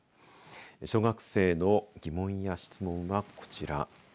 小学生の疑問や質問は、こちら。